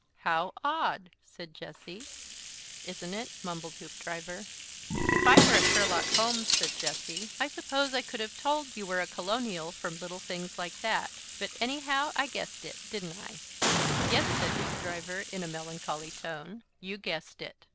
"How odd!" said Jessie. "Isn't it?" mumbled Hoopdriver. "If I were a Sherlock Holmes," said Jessie, "I suppose I could have told you were a colonial from little things like that. But anyhow, I guessed it, didn't I?" "Yes," said Hoopdriver, in a melancholy tone, "you guessed it."